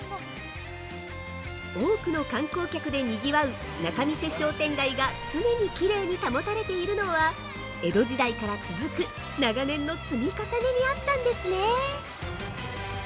◆多くの観光客で賑わう仲見世商店街が常にきれいに保たれているのは、江戸時代から続く、長年の積み重ねにあったんですね。